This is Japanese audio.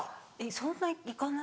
そんな行かない。